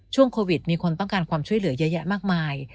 ช่วงโควิดมีคนต้องการความช่วยเหลือเยอะแยะมากมาย